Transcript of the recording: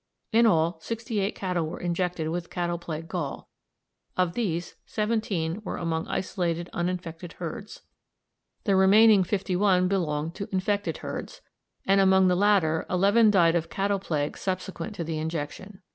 In all sixty eight cattle were injected with cattle plague gall. Of these, seventeen were among isolated uninfected herds; the remaining fifty one belonged to infected herds, and among the latter eleven died of cattle plague subsequent to the injection."